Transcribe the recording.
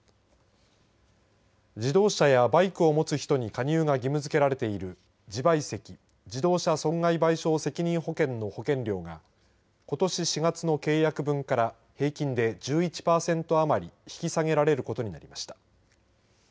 自動車やバイクを持つ人に加入が義務づけられている自賠責自動車損害賠償責任保険の保険料がことし４月の契約分から平均で１１パーセント余り引き下げられることになりました。